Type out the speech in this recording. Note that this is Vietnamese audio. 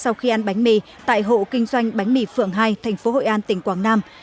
sau khi ăn bánh mì tại hộ kinh doanh bánh mì phượng hai thành phố hội an tỉnh quảng nam